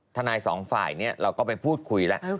ทนายสองฝ่ายเนี่ยเราก็ไปพูดคุยแล้ว